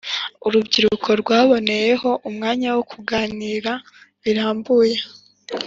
Urubyiruko rwaboneyeho umwanya wo kuganira birambuye